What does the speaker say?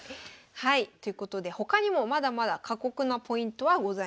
はいということで他にもまだまだ過酷なポイントはございます。